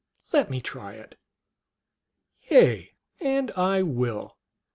let me try it. Yea, and I will